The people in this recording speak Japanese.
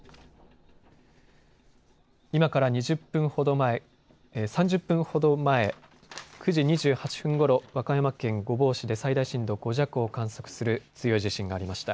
今から３０分ほど前、９時２８分ごろ、和歌山県御坊市で最大震度５弱を観測する強い地震がありました。